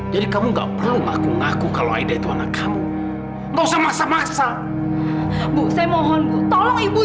jadi kamu nggak perlu ngaku ngaku kalau aida itu anak kamu mau semasa masa bu saya mohon tolong ibu